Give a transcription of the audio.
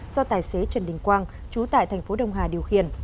do tài xế trần đình quang chú tại tp đông hà điều khiển